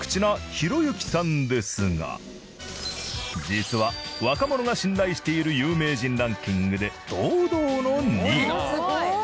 実は若者が信頼している有名人ランキングで堂々の２位。